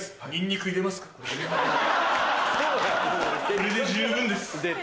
これで十分です。